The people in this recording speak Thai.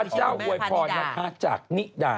พระเจ้าโดยพรพระจักรนิดา